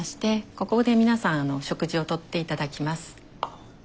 ここで皆さん食事をとって頂きます。